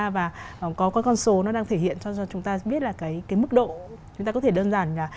và có cái con số nó đang thể hiện cho chúng ta biết là cái mức độ chúng ta có thể đơn giản là